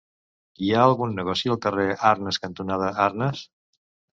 Hi ha algun negoci al carrer Arnes cantonada Arnes?